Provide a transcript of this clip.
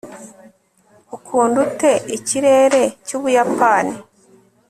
ukunda ute ikirere cy'ubuyapani